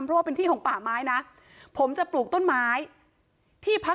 เพราะว่าเป็นที่ของป่าไม้นะผมจะปลูกต้นไม้ที่พัก